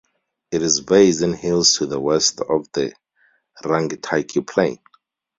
It is based in hills to the west of the Rangitaiki plain.